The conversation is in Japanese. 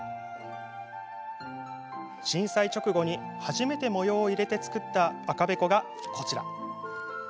震災直後に初めて模様を入れて作った赤べこがこちら。